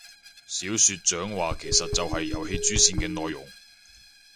小說長話其實就係遊戲主線嘅內容